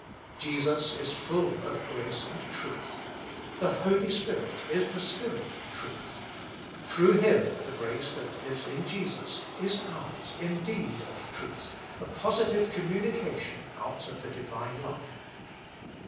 Jesus is full of grace and truth; the Holy Spirit is the Spirit of truth ; through Him the grace that is in Jesus is ours in deed and truth, a positive communication out of the Divine life.